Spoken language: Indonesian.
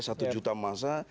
satu juta masa